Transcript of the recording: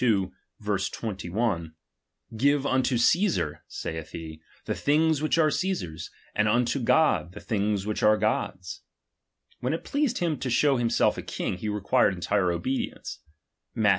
21 : Give vnto Cecsar (saith he) the things ^H which are Ctesar's, and unto God the things which ^^| are God's. When it pleased him to show himself a ^H king, he required entire obedience, Matth.